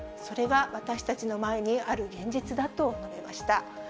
それが私たちの前にある現実だと述べました。